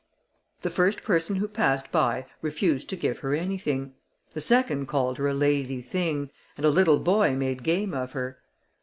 The first person who passed by, refused to give her anything; the second called her a lazy thing, and a little boy made game of her.